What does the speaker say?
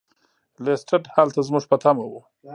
لیسټرډ هلته زموږ په تمه و.